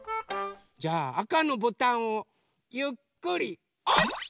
じゃああかのボタンをゆっくりおす！